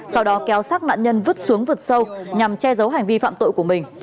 sau đó kéo sát nạn nhân vứt xuống vực sâu nhằm che giấu hành vi phạm tội của mình